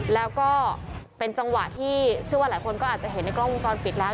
แล้วก็เป็นจังหวะที่เชื่อว่าหลายคนก็อาจจะเห็นในกล้องวงจรปิดแล้ว